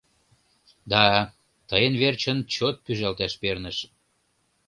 — Да, тыйын верчын чот пӱжалташ перныш.